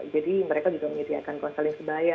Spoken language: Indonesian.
jadi mereka juga menyediakan konseling sebaya